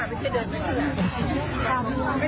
เลยกับพระชาติออกตัวตนอื่น